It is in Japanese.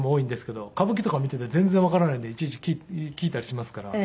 歌舞伎とか見ていて全然わからないんでいちいち聞いたりしますから。